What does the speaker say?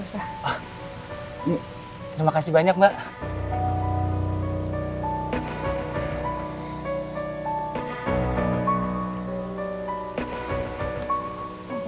terima kasih banyak mbak